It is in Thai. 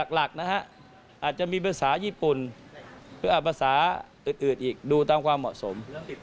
หลักนะฮะอาจจะมีภาษาญี่ปุ่นหรือภาษาอื่นอีกดูตามความเหมาะสม